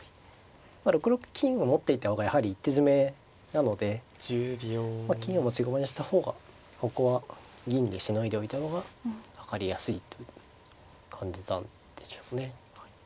６六金を持っていた方がやはり一手詰めなので金を持ち駒にした方がここは銀でしのいでおいた方が分かりやすいという感じなんでしょうね。